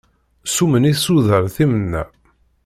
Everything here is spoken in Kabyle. Summen isudal timenna.